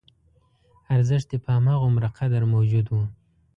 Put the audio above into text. ارزښت یې په همغومره قدر موجود و.